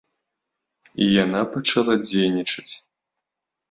І яна пачала дзейнічаць.